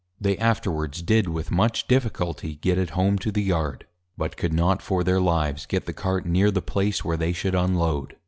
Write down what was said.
They afterwards, did with much Difficulty get it home to the Yard; but could not for their Lives get the Cart near the place, where they should unload.